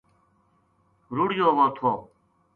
رُڑیو وو تھو